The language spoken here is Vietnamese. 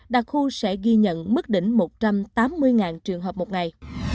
đặc khu sẽ ghi nhận mức đỉnh một trăm tám mươi trường hợp một ngày